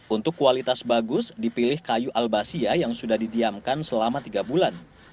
untuk kualitas bagus dipilih kayu albasia yang sudah didiamkan selama tiga bulan